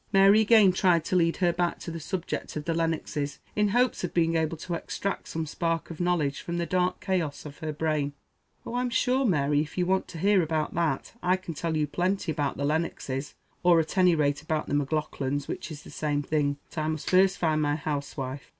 Mary again tried to lead her back to the subject of the Lennoxes, in hopes of being able to extract some spark of knowledge from the dark chaos of her brain. "Oh, I'm sure, Mary, if you want to hear about that, I can tell you plenty about the Lennoxes; or at any rate about the Maclaughlans, which is the same thing. But I must first find my huswife."